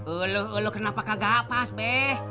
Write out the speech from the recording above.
eluh eluh kenapa kagak pas fih